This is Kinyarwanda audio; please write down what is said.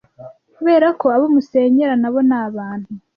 kuberako abo musenyera nabo ni abantu